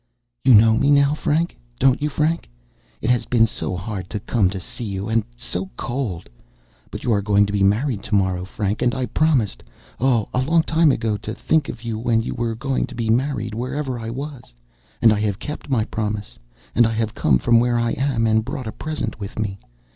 "You know me now, Frank—don't you, Frank? It has been so hard to come to see you, and so cold! But you are going to be married to morrow, Frank; and I promised—oh, a long time ago—to think of you when you were going to be married wherever I was, and I have kept my promise, and I have come from where I am and brought a present with me.